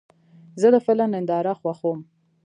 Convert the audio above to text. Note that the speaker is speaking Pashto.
زه د فلم ننداره خوښوم.